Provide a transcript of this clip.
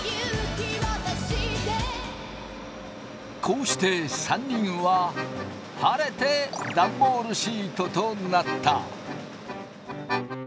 こうして３人は晴れてダンボールシートとなった。